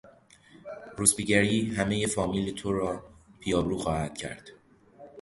روسپیگری همهی فامیل تو را بیآبرو خواهد کرد.